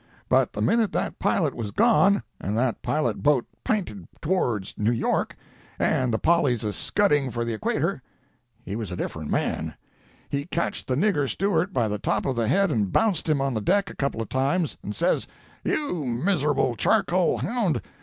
But the minute that pilot was gone, and that pilot boat p'inted towards New York, and the 'Polly' a scudding for the Equator, he was a different man! He catched the nigger steward by the top of the head and bounced him on the deck a couple of times, and says: "You miserable charcoal hound!